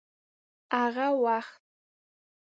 هغه وخت